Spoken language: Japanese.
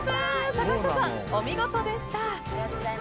坂下さん、お見事でした！